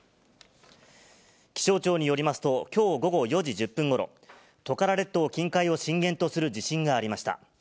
気象庁によりますと、きょう午後４時１０分ごろ、トカラ列島近海を震源とする地震がありました。